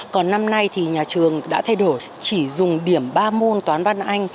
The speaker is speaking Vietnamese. còn năm nay thì nhà trường đã thay đổi chỉ dùng điểm ba môn toán văn anh